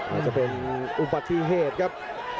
น่าจะเป็นอุบัติเหตุครับ